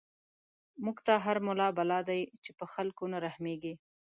موږ ته هر ملا بلا دی، چی په خلکو نه رحميږی